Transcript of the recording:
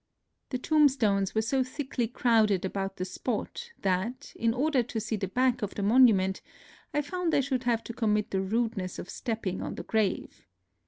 The tombstones were so thickly crowded about the spot that, in order to see the back of the monument, I found I should have to commit the rudeness of step ping on the grave.